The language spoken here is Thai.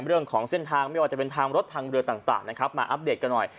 เรื่องของเส้นทางไม่ว่าจะเป็นทางรถทางเรือต่างนะครับมาอัปเดตกันหน่อย